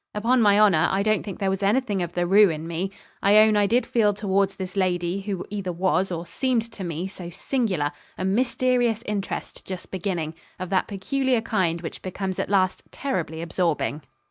Upon my honour, I don't think there was anything of the roué in me. I own I did feel towards this lady, who either was, or seemed to me, so singular, a mysterious interest just beginning of that peculiar kind which becomes at last terribly absorbing.